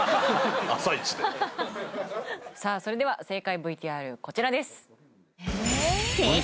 朝イチでさあそれでは正解ＶＴＲこちらです